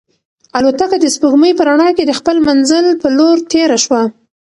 الوتکه د سپوږمۍ په رڼا کې د خپل منزل په لور تېره شوه.